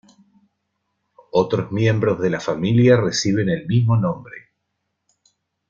Otros miembros de la familia reciben el mismo nombre.